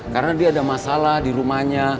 karena dia ada masalah di rumahnya